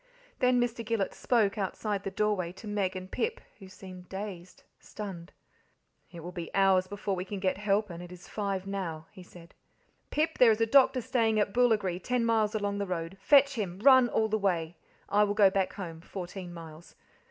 Then Mr. Gillet spoke, outside the doorway, to Meg and Pip, who seemed dazed, stunned. "It will be hours before we can get help, and it is five now," he said. "Pip, there is a doctor staying at Boolagri ten miles along the road. Fetch him run all the way. I will go back home fourteen miles.